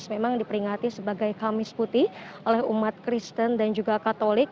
memang diperingati sebagai kamis putih oleh umat kristen dan juga katolik